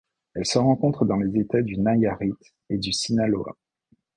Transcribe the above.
Elle se rencontre dans les États du Nayarit et du Sinaloa.